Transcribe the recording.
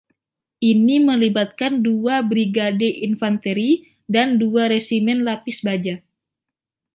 Ini melibatkan dua Brigade Infanteri dan Dua Resimen Lapis Baja.